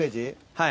はい。